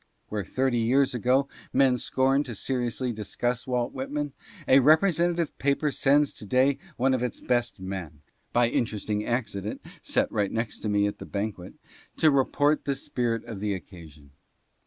Where thirty years ago men scorned to seriously discuss Walt Whitman, a representative paper sends to day one of its best men (by interesting accident set right next me at the banquet) "to report the spirit of the occasion."